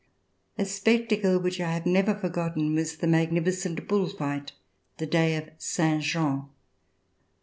A spectacle which I have never forgotten was the magnificent bull fight the day of Saint Jean.